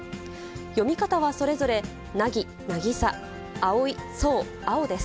読み方はそれぞれ、なぎ、なぎさ、あおい、そう、あおです。